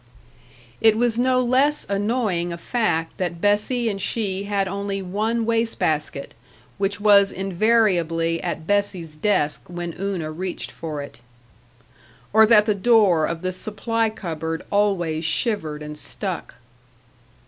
It was no less annoying a fact that Bessie and she had only one waste basket, which was invariably at Bessie's desk when Una reached for it. Or that the door of the supply cupboard always shivered and stuck.